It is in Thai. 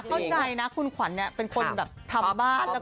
เข้าใจนะคุณขวัญเป็นคนทำบ้าน